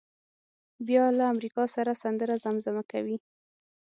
بیا له امریکا سره سندره زمزمه کوي.